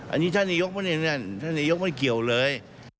อันนี้สนัยยกรมั่นไงสนัยยกรมั่นเกี่ยวเลย